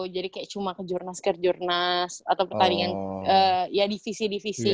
jadi kayak cuma kejurnas kerjurnas atau pertandingan ya divisi divisi kan